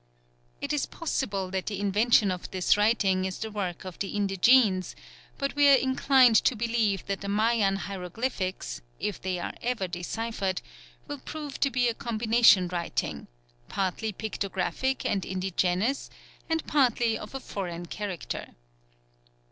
It is possible that the invention of this writing is the work of the indigenes, but we are inclined to believe that the Mayan hieroglyphics, if they are ever deciphered, will prove to be a combination writing partly pictographic and indigenous and partly of a foreign character.